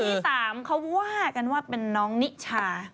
ที่๓เขาว่ากันว่าเป็นน้องนิชา